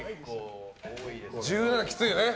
１７、きついよね。